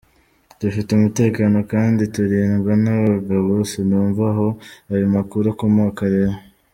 Dufite umutekano kandi turindwa n’abagabo, sinumva aho ayo makuru akomoka rero’’.